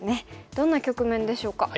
どんな局面でしょうか。